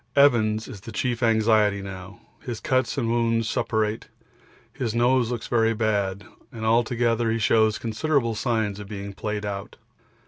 Evans is the chief anxiety now; his cuts and wounds suppurate, his nose looks very bad, and altogether he shows considerable signs of being played out.